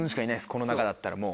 この中だったらもう。